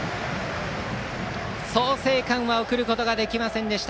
創成館は送ることができませんでした